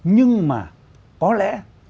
nhưng mà có lẽ